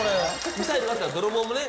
ミサイルがあるから泥棒もね